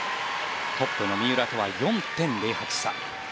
トップの三浦とは４．０８差。